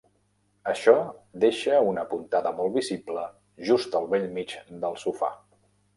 Això deixa una puntada molt visible just al bell mig del sofà.